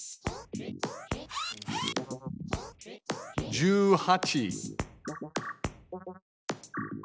１８。